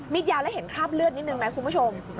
ยาวแล้วเห็นคราบเลือดนิดนึงไหมคุณผู้ชม